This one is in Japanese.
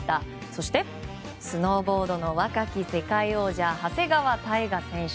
そしてスノーボードの若き世界王者長谷川帝勝選手。